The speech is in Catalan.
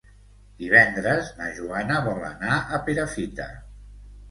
Divendres na Joana vol anar a Perafita.